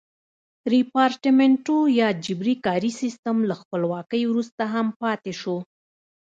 ریپارټمنټو یا جبري کاري سیستم له خپلواکۍ وروسته هم پاتې شو.